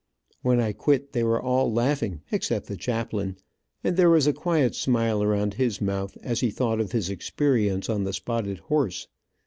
When I quit they were all laughing except the chaplain, and there was a quiet smile around his mouth, as he thought of his experience on the spotted horse.